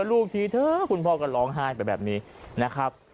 ลูกทีเถอะคุณพ่อก็ร้องไห้ไปแบบนี้นะครับ